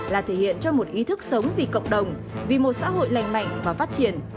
là thể hiện cho một ý thức sống vì cộng đồng vì một xã hội lành mạnh và phát triển